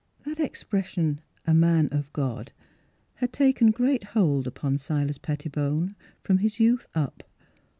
That expression " a man of God," had taken great hold upon Silas Pettibone, from his youth up.